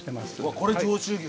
これ上州牛だ。